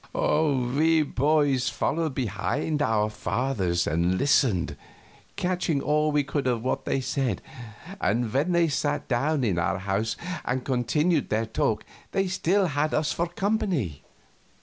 We boys followed behind our fathers, and listened, catching all we could of what they said; and when they sat down in our house and continued their talk they still had us for company.